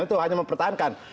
itu hanya mempertahankan